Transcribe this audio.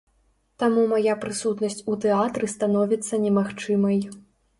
Таму мая прысутнасць у тэатры становіцца немагчымай.